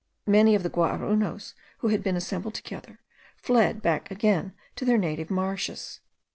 Many of the Guaraunos, who had been assembled together, fled back again to their native marshes.